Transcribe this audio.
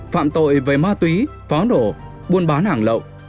phạm tội về ma túy pháo nổ buôn bán hàng lậu